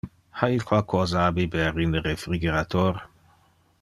Ha il qualcosa a biber in le refrigerator?